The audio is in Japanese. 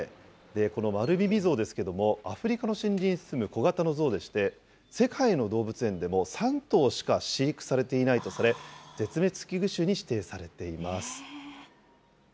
このマルミミゾウですけれども、アフリカの森林に住む小型のゾウでして、世界の動物園でも３頭しか飼育されていないとされ、絶滅危惧種に指定されています。